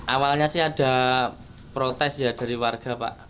awalnya sih ada protes ya dari warga pak